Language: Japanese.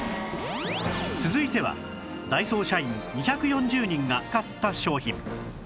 続いてはダイソー社員２４０人が買った商品